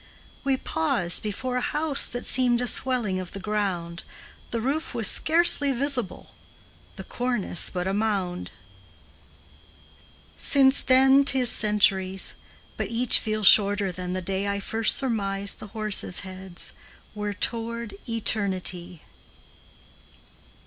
We paused before a house that seemed A swelling of the ground; The roof was scarcely visible, The cornice but a mound. Since then 't is centuries; but each Feels shorter than the day I first surmised the horses' heads Were toward eternity.